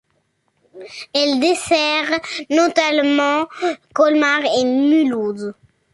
Elle dessert notamment Colmar et Mulhouse.